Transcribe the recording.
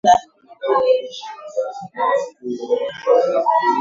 Jamhuri ya Kidemokrasia ya Kongo yatoa ‘ushahidi’ dhidi ya Rwanda.